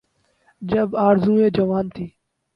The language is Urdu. جب آرزوئیں جوان تھیں۔